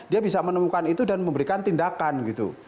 dia bisa menemukan itu dan memberikan tindakan gitu